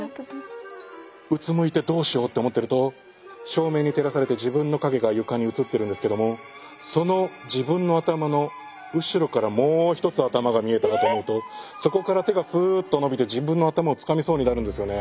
うつむいてどうしようって思ってると照明に照らされて自分の影が床に映ってるんですけどもその自分の頭の後ろからもう一つ頭が見えたかと思うとそこから手がスーッと伸びて自分の頭をつかみそうになるんですよね。